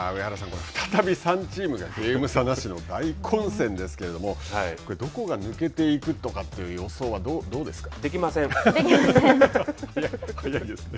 これ、再び３チームがゲーム差なしの大混戦ですけれども、どこが抜けていくとかという予想はどうですか。